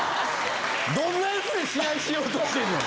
どんなヤツで試合しようとしてんねん！